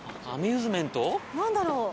アミューズメント？